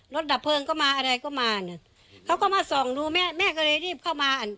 ดับเพลิงก็มาอะไรก็มาเนี่ยเขาก็มาส่องดูแม่แม่ก็เลยรีบเข้ามาอัน